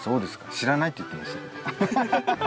知らないって言ってました。